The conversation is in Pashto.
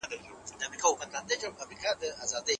د زکات فریضه د غریبو ثابت حق دی.